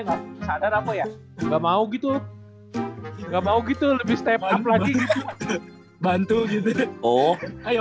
nggak sadar apa ya nggak mau gitu enggak mau gitu lebih step lagi bantu gitu oh ayo